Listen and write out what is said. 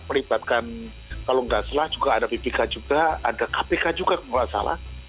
melibatkan kalau nggak salah juga ada bpk juga ada kpk juga kalau nggak salah